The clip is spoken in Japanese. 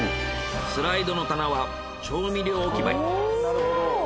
スライドの棚は調味料置き場に。